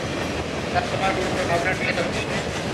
তা তোমার উলটো ভাবনাটা কিরকম শুনি।